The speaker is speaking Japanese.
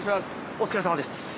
お疲れさまです。